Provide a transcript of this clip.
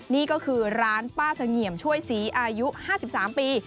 นี่ก็คือร้านป้าเสงี่ยมช่วยศรีอายุ๕๓ปี